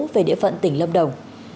về địa phận tỉnh lâm đồng